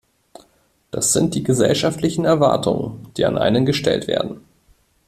Das sind die gesellschaftlichen Erwartungen, die an einen gestellt werden.